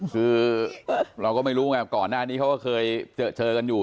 คือเราก็ไม่รู้ไงก่อนหน้านี้เขาก็เคยเจอกันอยู่